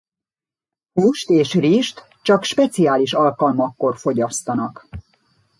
Húst és rizst csak speciális alkalmakkor fogyasztanak.